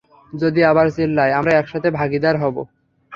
যদি আবার চিল্লাই, আমরা একসাথে ভাগিদার হবো।